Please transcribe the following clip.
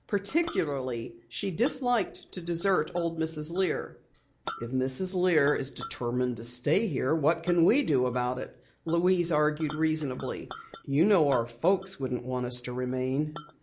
Particularly she disliked to desert old Mrs. Lear. "If Mrs. Lear is determined to stay here, what can we do about it?" Louise argued reasonably. "You know our folks wouldn't want us to remain."